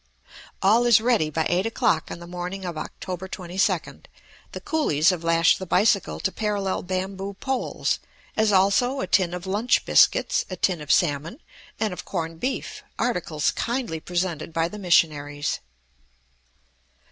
All is ready by eight o'clock on the morning of October 22d; the coolies have lashed the bicycle to parallel bamboo poles, as also a tin of lunch biscuits, a tin of salmon, and of corned beef, articles kindly presented by the missionaries.